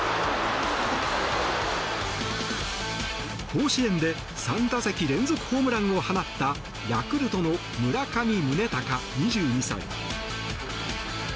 甲子園で３打席連続ホームランを放ったヤクルトの村上宗隆、２２歳。